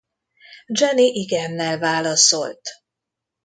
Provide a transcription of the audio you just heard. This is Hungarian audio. Jennie igennel válaszolt.